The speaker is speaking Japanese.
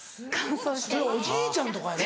それおじいちゃんとかやろ？